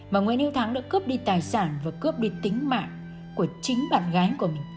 mà nguyễn hữu thắng đã cướp đi tài sản và cướp đi tính mạng của chính bạn gái của mình